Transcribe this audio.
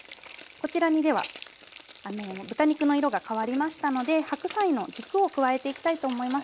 こちらにでは豚肉の色が変わりましたので白菜の軸を加えていきたいと思います。